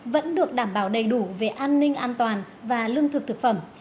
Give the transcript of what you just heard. vẫn được đảm bảo đầy đủ về an ninh an toàn và lương thực thực phẩm